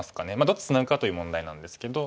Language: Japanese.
どっちツナぐかという問題なんですけど。